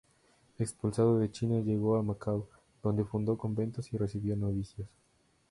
Expulsado de China, llegó a Macao, donde fundó conventos y recibió novicios.